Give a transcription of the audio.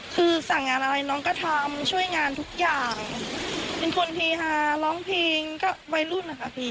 คือสั่งงานอะไรน้องก็ทำช่วยงานทุกอย่างเป็นคนเฮฮาร้องเพลงก็วัยรุ่นนะคะพี่